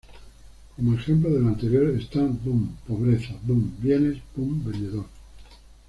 Como ejemplo de lo anterior están 貧, ‘pobreza’; 貨, ‘bienes’; 販, ‘vendedor’.